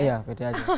iya pede aja